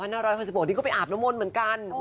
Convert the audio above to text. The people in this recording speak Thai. ๒๐๐๖นี่ก็ไปอาบนมนต์เหมือนกัน